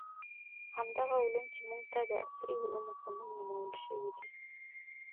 همدغه علوم چې موږ ته د عصري علومو په نوم نومول شوي دي.